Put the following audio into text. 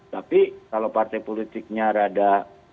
tapi kalau partai politiknya rada